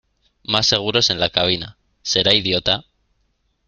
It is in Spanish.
Más seguros en la cabina. Será idiota .